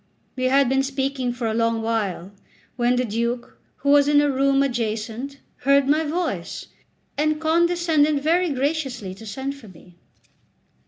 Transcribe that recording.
We had been speaking for a long while, when the Duke, who was in a room adjacent, heard my voice, and condescended very graciously to send for me.